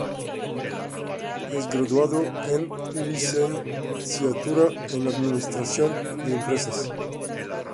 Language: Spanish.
Es graduado el Licenciatura en Administración de empresas.